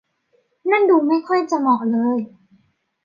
นั่นดูไม่ค่อยจะเหมาะเลย